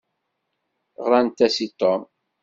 Ɣṛant-as i Tom.